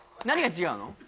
何が違うの？